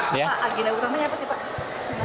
pak agenda utamanya apa sih pak